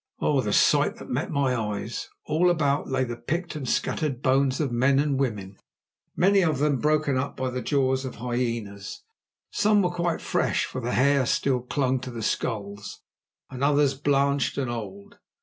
Oh! the sight that met my eyes. All about lay the picked and scattered bones of men and women, many of them broken up by the jaws of hyenas. Some were quite fresh, for the hair still clung to the skulls, others blanched and old.